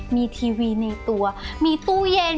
มีทีวีในตัวมีตู้เย็น